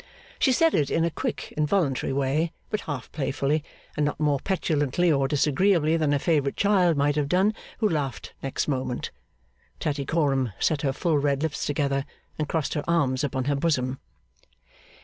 She said it in a quick involuntary way, but half playfully, and not more petulantly or disagreeably than a favourite child might have done, who laughed next moment. Tattycoram set her full red lips together, and crossed her arms upon her bosom.